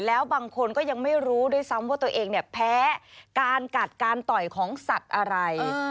แล้วบางคนก็ยังไม่รู้ด้วยซ้ำว่าตัวเองเนี่ยแพ้การกัดการต่อยของสัตว์อะไร